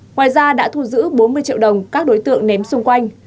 ngoài ra đã thu giữ bốn mươi triệu đồng các đối tượng ném xung quanh